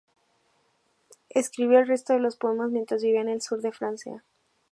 Escribió el resto de los poemas mientras vivía en el del sur de Francia.